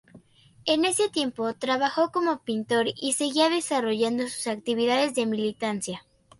En ese tiempo trabajó como pintor y seguía desarrollando sus actividades de militancia.